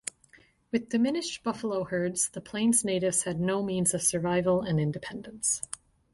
With diminished buffalo herds the Plains Natives had no means of survival and independence.